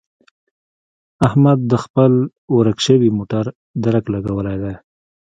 احمد د خپل ورک شوي موټر درک لګولی دی.